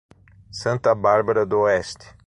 Santa Bárbara D´oeste